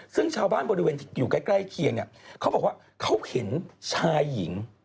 ซึ่งชาวบ้านบริเวณที่อยู่ใกล้เคียงเขาบอกว่าเขาเห็นชายหญิง